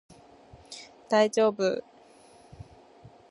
大丈夫